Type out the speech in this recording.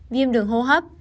viêm đường hô hấp